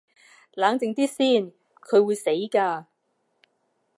冷靜啲先，佢會死㗎